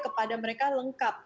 kepada mereka lengkap